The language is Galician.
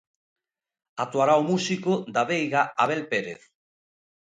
Actuará o músico da Veiga Abel Pérez.